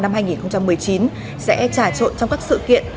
năm hai nghìn một mươi chín sẽ trà trộn trong các sự kiện